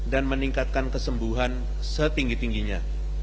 dan meningkatkan kesembuhan setinggi tingginya